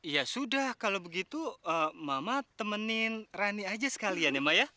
ya sudah kalau begitu mama temenin rani aja sekalian ya mbak ya